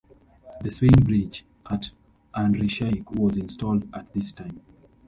The swing bridge at Ardrishaig was installed at this time.